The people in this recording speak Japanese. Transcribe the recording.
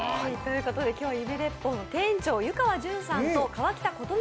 今日は夢鉄砲の店長湯川潤さんと川北ことね